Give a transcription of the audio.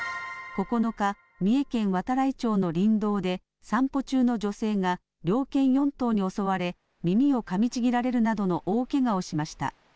９日、三重県度会町の林道で、散歩中の女性が猟犬４頭に襲われ、耳をかみちぎられるなどの大けがをしました。